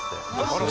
あら！